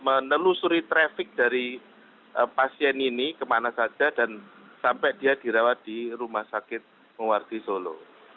menelusuri trafik dari pasien ini kemana saja dan sampai dia dirawat di rumah sakit muwarti solo